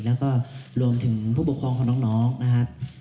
แล้วก็รวมถึงผู้ปกครองของน้องนะครับ